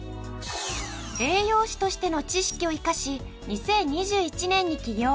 栄養士としての知識を生かし２０２１年に起業。